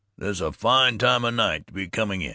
This is a fine time o' night to be coming in!"